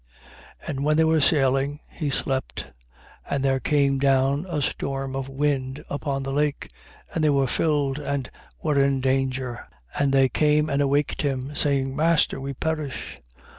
8:23. And when they were sailing, he slept. And there came down a storm of wind upon the lake: and they were filled and were in danger. 8:24. And they came and awaked him, saying: Master, we perish.